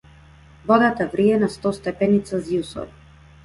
Водата врие на сто степени целзиусови.